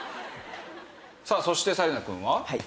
さあそして紗理奈くんは？